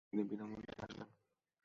ক্যান্টিনে বিনামূল্যে পানীয়।